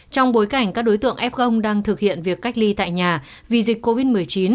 trong bối cảnh các đối tượng f đang thực hiện việc cách ly tại nhà vì dịch covid một mươi chín